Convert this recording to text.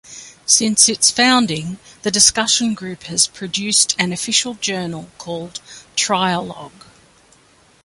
Since its founding, the discussion group has produced an official journal called "Trialogue".